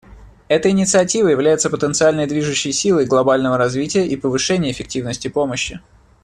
Эта инициатива является потенциальной движущей силой глобального развития и повышения эффективности помощи.